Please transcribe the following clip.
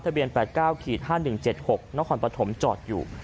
เบียน๘๙๕๑๗๖นครปฐมจอดอยู่